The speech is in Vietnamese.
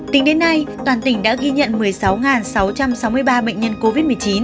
tính đến nay toàn tỉnh đã ghi nhận một mươi sáu sáu trăm sáu mươi ba bệnh nhân covid một mươi chín